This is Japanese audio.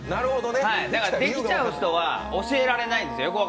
だからできちゃう人は教えられないんです。